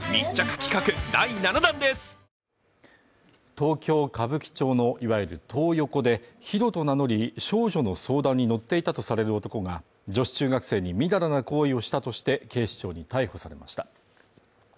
東京・歌舞伎町のいわゆるトー横でヒロと名乗り、少女の相談に乗っていたとされる男が女子中学生にみだらな行為をしたとして警視庁に逮捕されました。